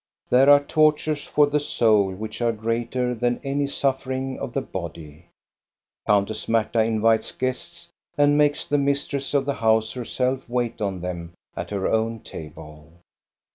There are tortures for the soul which are greater than any suffering of the body. Countess Marta invites guests and makes the mistress of the house herself wait on them at her own table.